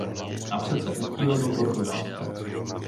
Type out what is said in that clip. Napřed se uchýlil do Portugalska.